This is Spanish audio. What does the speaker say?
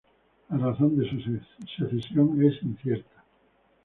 La razón de su secesión es incierta.